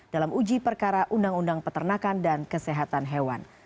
dalam uji perkara undang undang peternakan dan kesehatan hewan